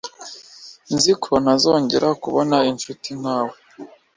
Nzi ko ntazongera kubona inshuti nkawe